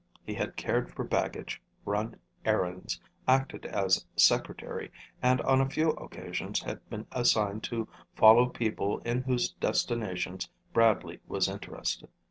He had cared for baggage, run errands, acted as secretary, and on a few occasions had been assigned to follow people in whose destinations Bradley was interested.